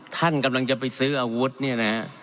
ท่านกำลังจะไปซื้ออาวุธเนี่ยนะฮะ